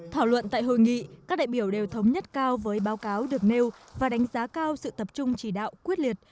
thảo luận tại hội nghị các đại biểu đều thống nhất cao với báo cáo được nêu và đánh giá cao sự tập trung chỉ đạo quyết liệt